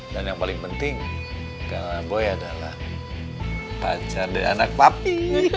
dan yang paling penting karena boy adalah pacar dan anak papi